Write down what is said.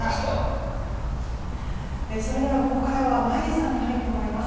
それではここからは眞家さんに入ってもらいます。